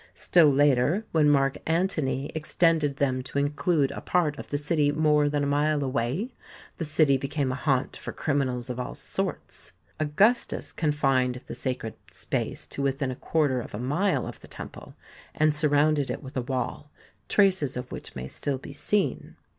Still later, when Mark Antony extended them to include a part of the city more than a mile away, the city became a haunt for criminals of all sorts. Augustus confined the sacred space to within a quarter of a mile of the temple, and surrounded it with a wall, traces of which may still be seen.